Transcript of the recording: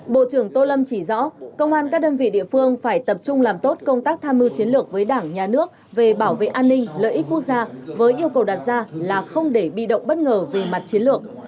bộ trưởng tô lâm chỉ rõ công an các đơn vị địa phương phải tập trung làm tốt công tác tham mưu chiến lược với đảng nhà nước về bảo vệ an ninh lợi ích quốc gia với yêu cầu đặt ra là không để bị động bất ngờ về mặt chiến lược